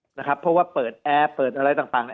เพราะว่าเปิดแอร์เปิดอะไรต่าง